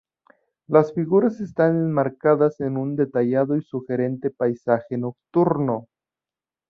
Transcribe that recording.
Las figuras están enmarcadas en un detallado y sugerente paisaje nocturno.